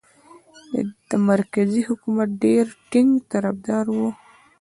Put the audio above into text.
د مرکزي حکومت ډېر ټینګ طرفدار وو.